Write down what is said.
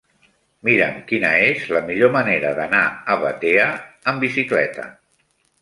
Mira'm quina és la millor manera d'anar a Batea amb bicicleta.